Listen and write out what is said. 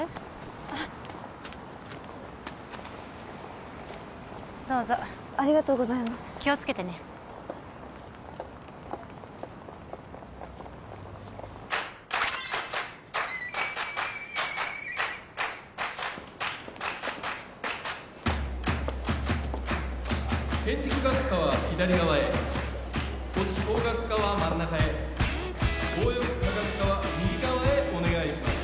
あっはいどうぞありがとうございます気をつけてね建築学科は左側へ都市工学科は真ん中へ応用化学科は右側へお願いします